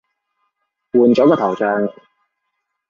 換咗個頭像